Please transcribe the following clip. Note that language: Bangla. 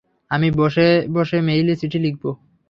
আমি বসে বসে মেইলে চিঠি লিখবো?